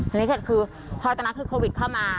อันนี้เสร็จที่พอตามว่าเซ็นตาโรควิดเข้ามา